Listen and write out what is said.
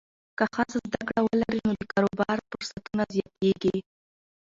که ښځه زده کړه ولري، نو د کاروبار فرصتونه زیاتېږي.